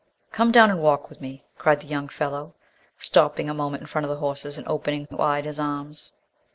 "Come down and walk with me," cried the young fellow, stopping a moment in front of the horses and opening wide his arms.